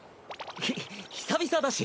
ひ久々だし。